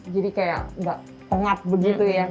jadi kayak nggak tongat begitu ya